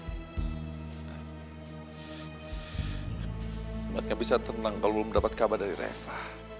sebaiknya bisa tenang kalau belum dapat kabar dari reva